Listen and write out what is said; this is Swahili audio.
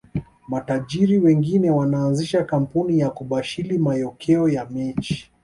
Matajiri wengine wanaanzisha kampuni za kubashili mayokeo ya mechi